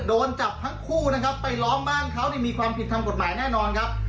โดนจับทั้งคู่นะครับไปล้อมบ้านเขาเนี่ยมีความผิดทางกฎหมายแน่นอนครับ